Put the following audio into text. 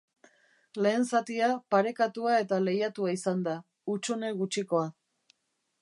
Lehen zatia parekatua eta lehiatua izan da, hutsune gutxikoa.